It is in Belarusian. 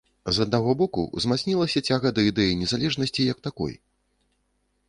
З аднаго боку, узмацнілася цяга да ідэі незалежнасці як такой.